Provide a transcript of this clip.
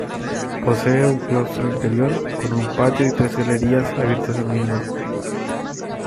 Posee un claustro interior, con un patio y tres galerías abiertas al mismo.